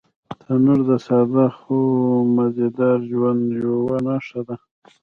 تنور د ساده خو مزيدار ژوند یوه نښه ده